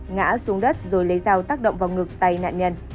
ngã xuống đất rồi lấy dao tác động vào ngực tay nạn nhân